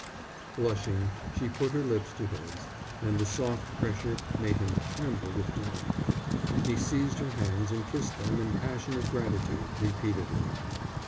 Blushing, she put her lips to his, and the soft pressure made him tremble with delight. He seized her hands and kissed them in passionate gratitude, repeatedly.